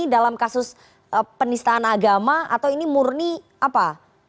dalam kasus penistaan agama atau ini murni apa